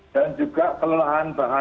dan juga kelelahan bahan